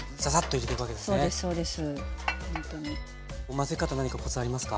混ぜ方何かコツありますか？